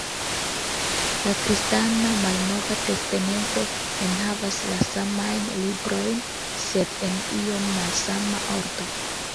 La kristana "Malnova Testamento" enhavas la samajn librojn, sed en iom malsama ordo.